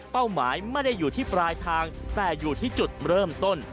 หมายไม่ได้อยู่ที่ปลายทางแต่อยู่ที่จุดเริ่มต้น